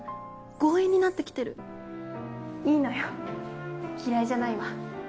強引になってきてるいいのよ嫌いじゃないわ。